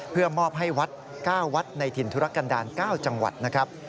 เพื่อมอบให้วัด๙วัดในถิ่นธุรกันดาล๙จังหวัดนะครับ